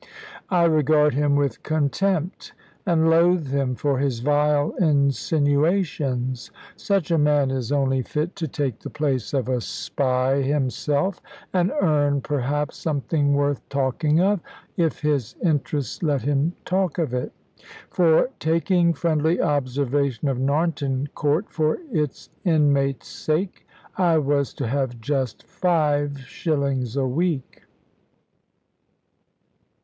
I regard him with contempt, and loathe him for his vile insinuations. Such a man is only fit to take the place of a spy himself, and earn perhaps something worth talking of, if his interest let him talk of it. For taking friendly observation of Narnton Court, for its inmates' sake, I was to have just five shillings a week!